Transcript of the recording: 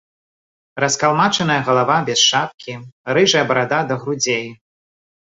Раскалмачаная галава без шапкі, рыжая барада да грудзей.